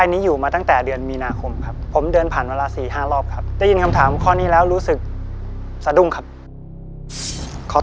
เนื้อโห่งเลวกว่านี้แล้วลูก